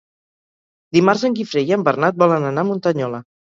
Dimarts en Guifré i en Bernat volen anar a Muntanyola.